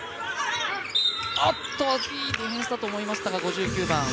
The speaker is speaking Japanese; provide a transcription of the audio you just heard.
いいディフェンスだと思いましたが。